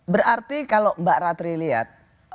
berarti kalau mbak ratri lihat